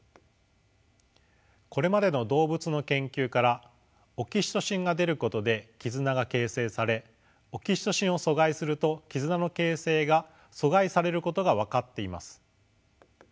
これまでの動物の研究からオキシトシンが出ることで絆が形成されオキシトシンを阻害すると絆の形成が阻害されることが分かっています。